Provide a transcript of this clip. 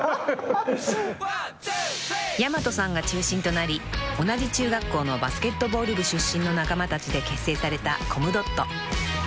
［やまとさんが中心となり同じ中学校のバスケットボール部出身の仲間たちで結成されたコムドット］